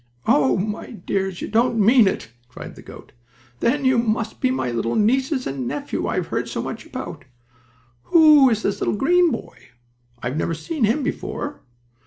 "Oh, my dears! You don't mean it!" cried the goat. "Then you must be my little nieces and nephew I've heard so much about. But who is this little green boy? I've seen him before."